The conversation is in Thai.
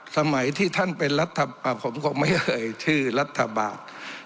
สมัยที่ท่านเป็นรัฐผมคงไม่เอ่ยชื่อรัฐบาล